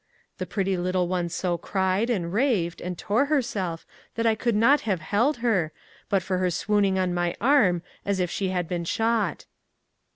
The pretty little one so cried, and raved, and tore herself that I could not have held her, but for her swooning on my arm as if she had been shot.